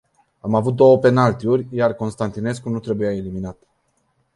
Am avut două penaltyuri, iar Constantinescu nu trebuia eliminat.